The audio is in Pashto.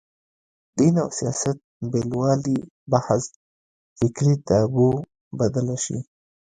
دین او سیاست بېلوالي بحث فکري تابو بدله شي